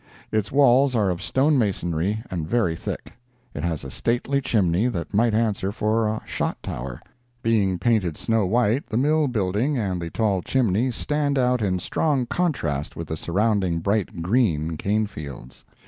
Its walls are of stone masonry and very thick. It has a stately chimney that might answer for a shot tower. Being painted snow white, the mill building and the tall chimney stand out in strong contrast with the surrounding bright green cane fields.